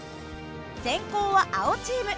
先攻は青チーム。